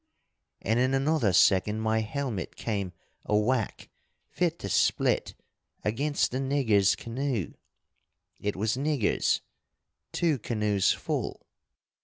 And in another second my helmet came a whack, fit to split, against the niggers' canoe. It was niggers! Two canoes full.